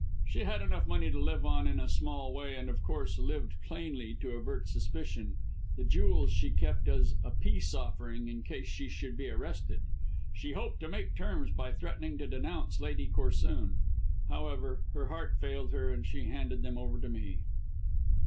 "She had enough money to live on in a small way, and, of course, lived plainly to avert suspicion. The jewels she kept as a peace offering in case she should be arrested. She hoped to make terms by threatening to denounce Lady Corsoon. However, her heart failed her, and she handed them over to me."